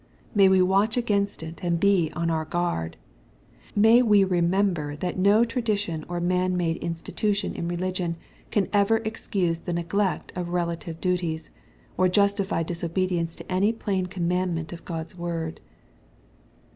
May we watch against it, and be on our guard I May we remember that no tra dition or man made institution in religion can ever excuse the neglect of relative duties^ or justify cQsobedience to any plain commandment of Gh>d's word.